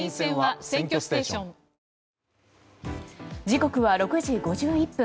時刻は６時５１分。